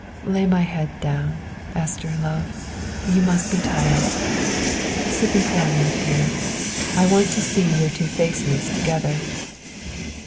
"Lay my head down, Esther love; you must be tired. Sit before me, dear, I want to see your two faces together."